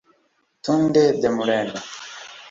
Tunde Demuren